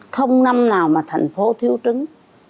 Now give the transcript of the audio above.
không năm nào mà thành phố thiếu trứng